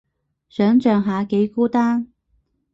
想像下幾孤單